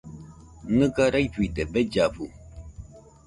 Nɨga raifide bellafu.